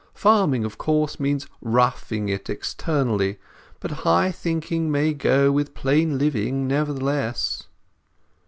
Farming, of course, means roughing it externally; but high thinking may go with plain living, nevertheless."